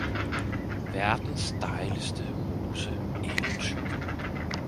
Verdens dejligste rose Eventyr